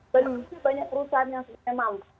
belum sih banyak perusahaan yang sebenarnya mampu